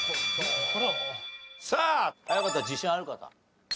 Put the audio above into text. さあ早かった自信がある方？